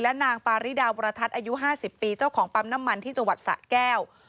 นางปาริดาวรทัศน์อายุ๕๐ปีเจ้าของปั๊มน้ำมันที่จังหวัดสะแก้ว